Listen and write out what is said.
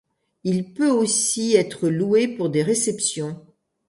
Il peut aussi être loué pour des réceptions.